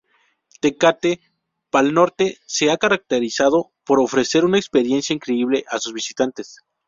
Tecate Pal Norte se ha caracterizado por ofrecer una experiencia increíble a sus visitantes.